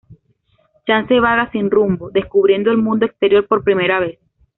Chance vaga sin rumbo, descubriendo el mundo exterior por primera vez.